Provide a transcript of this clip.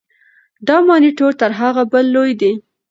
دا مانیټور تر هغه بل لوی دی.